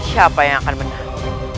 siapa yang akan menang